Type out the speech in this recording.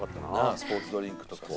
スポーツドリンクとかさ。